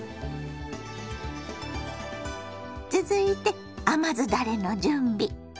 続いて甘酢だれの準備。